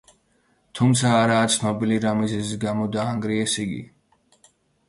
თუმცა არაა ცნობილი რა მიზეზის გამო დაანგრიეს იგი.